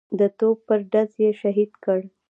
د توپ پر ډز یې شهید کړ.